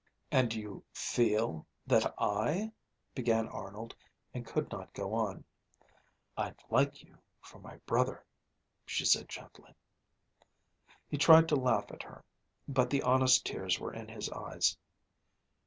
"And you 'feel' that I ..." began Arnold, and could not go on. "I'd like you for my brother," she said gently. He tried to laugh at her, but the honest tears were in his eyes.